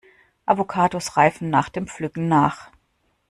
Avocados reifen nach dem Pflücken nach.